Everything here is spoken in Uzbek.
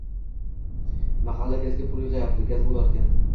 Mahalla gazga pul yigʻyapti gaz boʻlarkan.